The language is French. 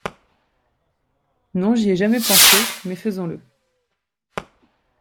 Non j'y ai jamais pensé, mais faisons-le.